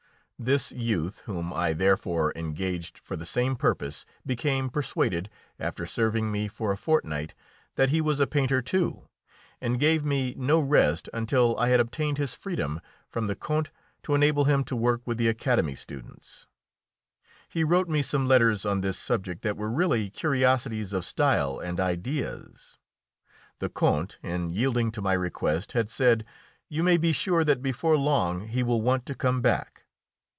This youth, whom I therefore engaged for the same purpose, became persuaded, after serving me for a fortnight, that he was a painter, too, and gave me no rest until I had obtained his freedom from the Count to enable him to work with the Academy students. He wrote me some letters on this subject that were really curiosities of style and ideas. The Count, in yielding to my request, had said, "You may be sure that before long he will want to come back."